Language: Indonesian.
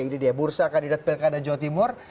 ini dia bursa kandidat pilkada jawa timur